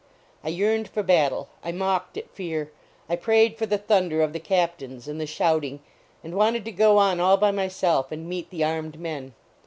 I yearned for battle; I mocked at fear ; I prayed for the thunder of the captains and the shouting, and wanted to go on all by myself and meet the armed men.